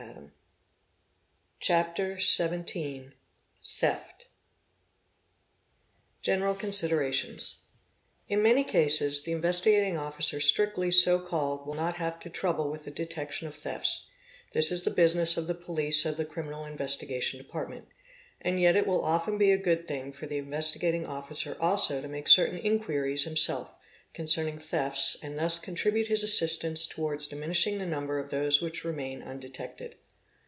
84 CHAPTER XVII. THEFT, Section i.— General Considerations. In many cases the Investigating Officer strictly so called will not — have to trouble with the detection of thefts, this is the business of the police of the criminal investigation department; and yet it will often be a good thing for the Investigating Officer also to make certain inquiries — himself concerning thefts and thus contribute his assistance towards dimi — nishing the number of those which remain undetected.